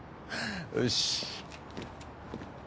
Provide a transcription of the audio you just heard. よし。